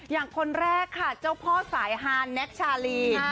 อย่างคนแรกค่ะเจ้าพ่อสายฮาแน็กชาลี